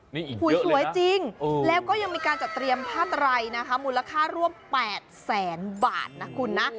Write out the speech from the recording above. นี่หุยสวยจริงแล้วก็ยังมีการจัดเตรียมผ้าไตรนะคะมูลค่าร่วม๘แสนบาทนะคุณนะ